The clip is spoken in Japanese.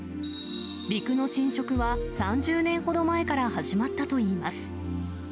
陸の浸食は３０年ほど前から始まったといいます。